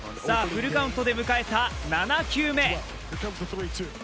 さぁ、フルカウントで迎えた７球目。